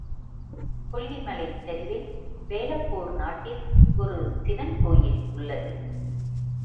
கொல்லி மலைச் சரிவில் வேலப்பூர் நாட்டில் ஒரு சிவன் கோயில் உள்ளது.